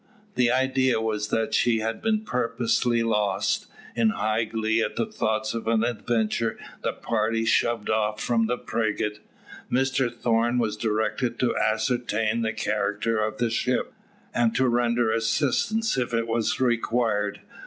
The idea was that she had been purposely lost. In high glee at the thoughts of an adventure, the party shoved off from the frigate. Mr Thorn was directed to ascertain the character of the ship, and to render assistance if it was required.